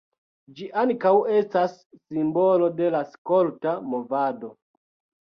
Ĝi ankaŭ estas simbolo de la skolta movado.